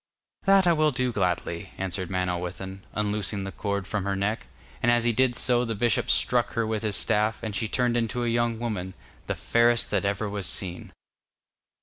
'That I will gladly,' answered Manawyddan, unloosing the cord from her neck, and as he did so the bishop struck her with his staff, and she turned into a young woman, the fairest that ever was seen.